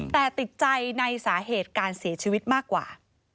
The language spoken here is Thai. แต่ติดใจในสาเหตุการเสียชีวิตมากกว่า